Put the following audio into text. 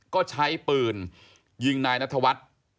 ก็ใช้ปืนยิงนายนัทวัฒน์